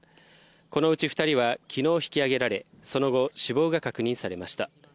このうち２人は昨日、引きあげられその後、死亡が確認されました。